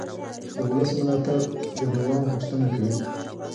د ولس ملاتړ د دوام غوښتنه کوي